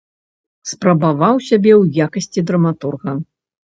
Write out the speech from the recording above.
Спрабаваў сябе ў якасці драматурга.